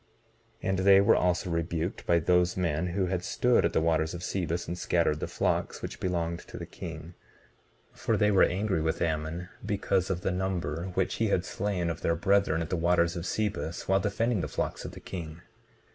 19:21 And they were also rebuked by those men who had stood at the waters of Sebus and scattered the flocks which belonged to the king, for they were angry with Ammon because of the number which he had slain of their brethren at the waters of Sebus, while defending the flocks of the king.